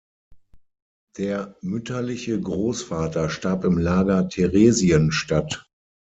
Der mütterliche Großvater starb im Lager Theresienstadt.